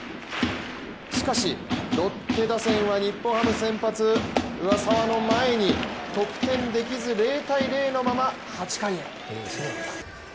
しかしロッテ打線は日本ハム先発上沢の前に得点できず、０−０のまま８回へ。